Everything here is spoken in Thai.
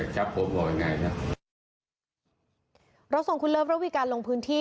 จะกลุ่มล้อบยังไงนะเราส่องคุณเลิภรุยการลงพื้นที่